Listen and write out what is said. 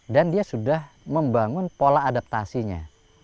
dan dia sudah membangun pola adaptasinya